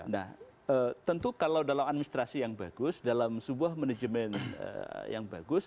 nah tentu kalau dalam administrasi yang bagus dalam sebuah manajemen yang bagus